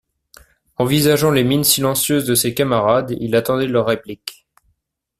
Envisageant les mines silencieuses de ses camarades, il attendait leur réplique.